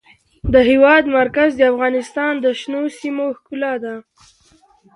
د هېواد مرکز د افغانستان د شنو سیمو ښکلا ده.